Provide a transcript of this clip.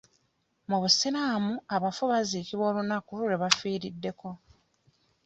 Mu busiraamu, abafu baziikibwa olunaku lwe bafiiriddeko.